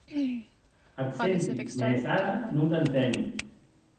Ac senti, mès ara non t'enteni.